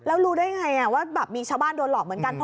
แล้วรู้ได้ไงว่าแบบมีชาวบ้านโดนหลอกเหมือนกัน